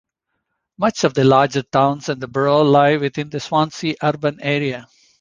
Much of the larger towns in the borough lie within the Swansea Urban Area.